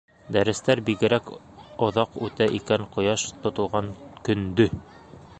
Дәрестәр бигерәк оҙаҡ үтә икән ҡояш тотолған көндө!